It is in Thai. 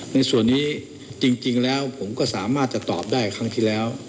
ในส่วนนี้จริงแล้วผมก็สามารถจะตอบได้ครั้งที่แล้ว